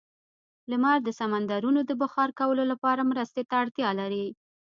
لمر د سمندرونو د بخار کولو لپاره مرستې ته اړتیا لري.